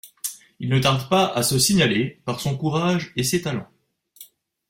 Il ne tarde pas à se signaler par son courage et ses talents.